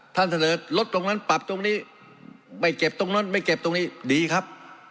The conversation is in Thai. ท่านเสนอลดตรงนั้นปรับตรงนี้ไม่เก็บตรงนั้นไม่เก็บตรงนี้ดีครับ